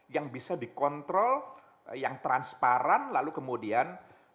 yang bisa dikontrol yang transparan lalu kemudian